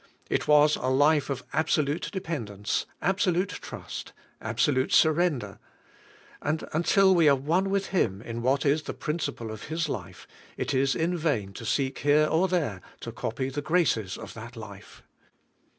It was a life of absolute dependence, absolute trust, abso lute surrender, and until we are one with Him in Vv^hat is the principle of His life, it is in vain to seek here or there to copy the graces of that life.